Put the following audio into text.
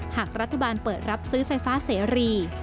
หากรัฐบาลเปิดรับซื้อไฟฟ้าเสรี